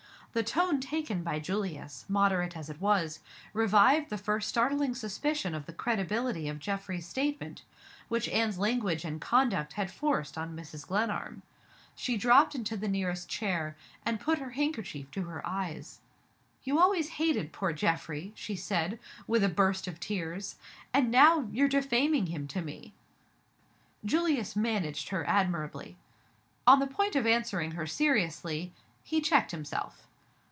The tone taken by Julius moderate as it was revived the first startling suspicion of the credibility of Geoffrey's statement which Anne's language and conduct had forced on Mrs. Glenarm. She dropped into the nearest chair, and put her handkerchief to her eyes. "You always hated poor Geoffrey," she said, with a burst of tears. "And now you're defaming him to me!" Julius managed her admirably. On the point of answering her seriously, he checked himself.